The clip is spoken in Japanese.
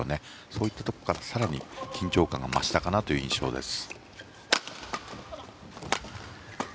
そういったところから更に緊張感が増したかなという印象です。